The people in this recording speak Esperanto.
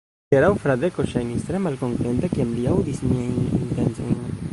Hieraŭ Fradeko ŝajnis tre malkontenta, kiam li aŭdis miajn intencojn.